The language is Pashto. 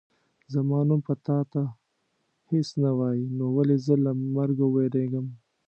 زما نوم به تا ته هېڅ نه وایي نو ولې زه له مرګه ووېرېږم.